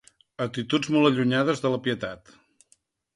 Actituds molt allunyades de la pietat.